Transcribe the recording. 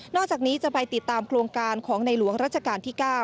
อกจากนี้จะไปติดตามโครงการของในหลวงรัชกาลที่๙